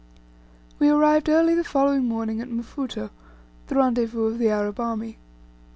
We arrived early the following morning at Mfuto, the rendezvous of the Arab army.